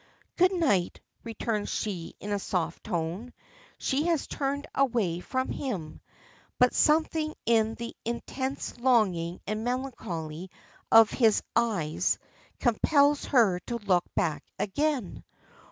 "Good night," returns she in a soft tone. She has turned away from him, but something in the intense longing and melancholy of his eyes compels her to look back again.